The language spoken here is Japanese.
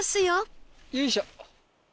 よいしょ。